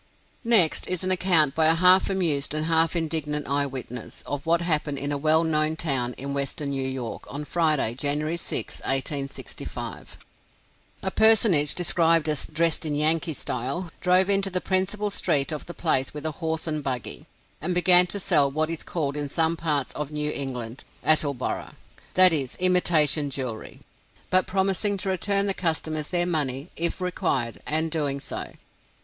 Next, is an account by a half amused and half indignant eye witness, of what happened in a well known town in Western New York, on Friday, January 6, 1865. A personage described as "dressed in Yankee style," drove into the principal street of the place with a horse and buggy, and began to sell what is called in some parts of New England "Attleboro," that is, imitation jewelry, but promising to return the customers their money, if required, and doing so.